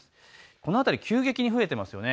この辺り、急激に増えています。